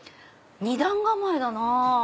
２段構えだなぁ！